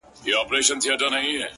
• تور یې خپور کړ په ګوښه کي غلی غلی ,